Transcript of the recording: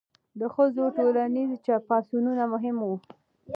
د ښځو ټولنیز پاڅونونه مهم وو.